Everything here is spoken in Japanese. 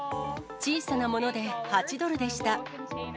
小さなもので、８ドルでした。